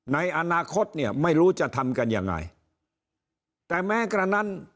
ในอนาคตเนี่ยไม่รู้จะทำกันยังไงแต่แม้กระนั้น